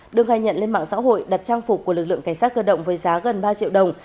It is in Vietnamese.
đương gai nhận lên mạng xã hội đặt trang phục của lực lượng cảnh sát cơ động với giá gần ba triệu đồng